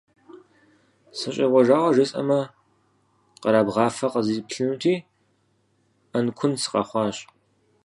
СыщӀегъуэжауэ жесӀэмэ, къэрабгъафэ къызиплъынути, Ӏэнкун сыкъэхъуащ.